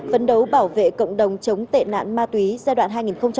phấn đấu bảo vệ cộng đồng chống tệ nạn ma túy giai đoạn hai nghìn một mươi sáu hai nghìn hai mươi năm